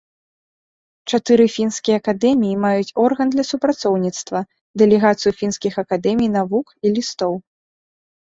Чатыры фінскія акадэміі маюць орган для супрацоўніцтва, дэлегацыю фінскіх акадэмій навук і лістоў.